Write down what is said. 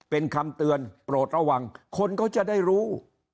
เป็นคำเตือนโปรดระวังคนก็จะได้รู้